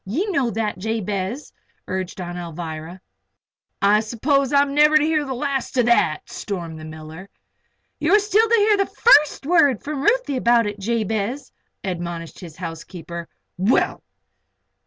Ye know that, Jabez," urged Aunt Alvirah. "I s'pose I'm never to hear the last of that!" stormed the miller. "You are still to hear the first word from Ruthie about it, Jabez," admonished his housekeeper. "Well!"